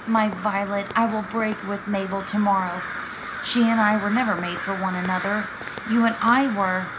My Violet, I will break with Mabel to morrow. She and I were never made for one other. You and I were.